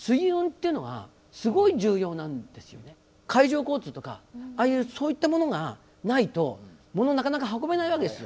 当時海上交通とかそういったものがないと物なかなか運べないわけですよ。